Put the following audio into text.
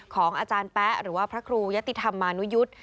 ของอาจารย์แป๊ะหรือว่าพระครูยะติธรรมานุยุทธ์